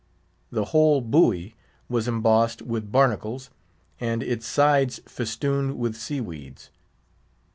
The whole buoy was embossed with barnacles, and its sides festooned with sea weeds.